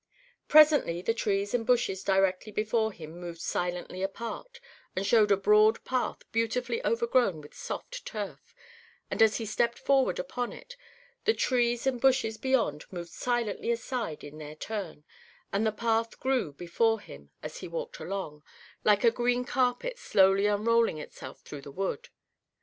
Presently the trees and bushes directly before him moved silently apart and showed a broad path beautifully overgrown with soft turf; and as he stepped forward upon it the trees and bushes beyond moved silently aside in their turn, and the path grew before him, as he walked along, like a green carpet slowly unrolling itself through the wood.